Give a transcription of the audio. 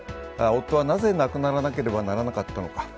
夫は、なぜ亡くならなければならなかったのか。